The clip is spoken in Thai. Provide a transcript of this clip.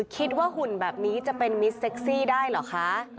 หุ่นแบบนี้จะเป็นมิสเซ็กซี่ได้เหรอคะ